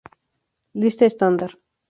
Lista estándar